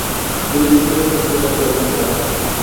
তিনি নিবিঢ়ভাবে তাকে পর্যবেক্ষণে রাখতেন।